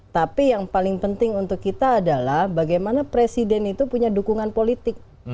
tapi yang paling penting untuk kita adalah bagaimana presiden itu punya dukungan politik